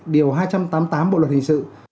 điều hai trăm tám mươi tám bộ luật hình sự